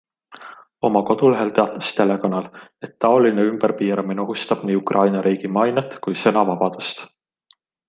Oma kodulehel teatas telekanal, et taoline ümberpiiramine ohustab nii Ukraina riigi mainet kui sõnavabadust.